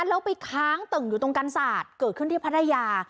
แล้วไปค้างตึงอยู่ตรงกรรสาธิ์เกิดขึ้นที่พระไดา